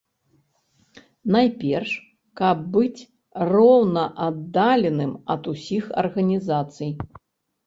Найперш, каб быць роўнааддаленымі ад усіх арганізацый.